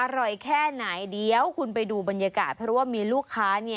อร่อยแค่ไหนเดี๋ยวคุณไปดูบรรยากาศเพราะว่ามีลูกค้า